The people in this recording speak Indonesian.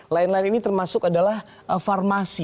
lain lain ini termasuk adalah farmasi